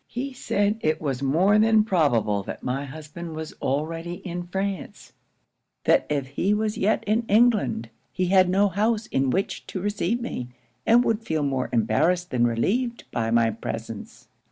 He said it was more than probable that my husband was already in France; that if he was yet in England, he had no house in which to receive me, and would feel more embarrassed than relieved by my presence.